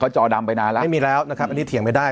จอดำไปนานแล้วไม่มีแล้วนะครับอันนี้เถียงไม่ได้